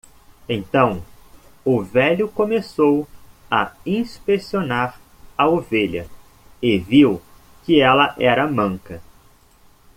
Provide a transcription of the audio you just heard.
Então o velho começou a inspecionar a ovelha e viu que ela era manca.